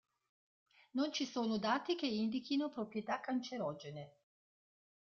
Non ci sono dati che indichino proprietà cancerogene.